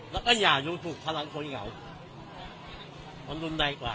แล้วก็อย่ารู้ถูกพลังคนเหงามันลุนได้กว่า